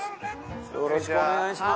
よろしくお願いします。